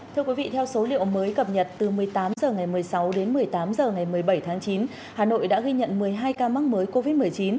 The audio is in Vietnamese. thưa quý vị theo số liệu mới cập nhật từ một mươi tám h ngày một mươi sáu đến một mươi tám h ngày một mươi bảy tháng chín hà nội đã ghi nhận một mươi hai ca mắc mới covid một mươi chín